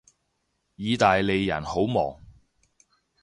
意大利人好忙